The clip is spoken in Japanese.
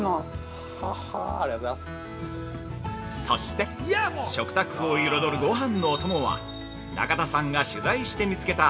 ◆そして、食卓を彩るごはんのお供は中田さんが取材して見つけた